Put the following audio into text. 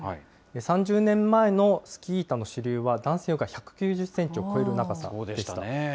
３０年前のスキー板の主流は、男性用が１９０センチを超える長さでした。